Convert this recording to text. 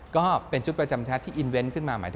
ก็เป็นชุดประจำชาติที่อินเวนต์ขึ้นมาหมายถึง